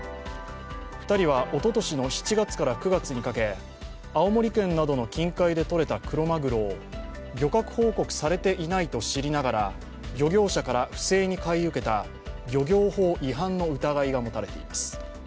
２人はおととしの７月から９月にかけ青森県などの近海で捕れたクロマグロを漁獲報告されていないと知りながら漁業者から不正に買い受けた漁業法違反の疑いが持たれています。